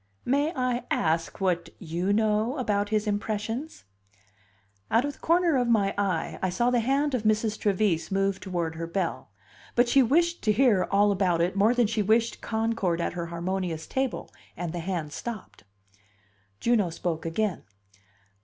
"May I ask what you know about his impressions?" Out of the corner of my eye I saw the hand of Mrs. Trevise move toward her bell; but she wished to hear all about it more than she wished concord at her harmonious table; and the hand stopped. Juno spoke again.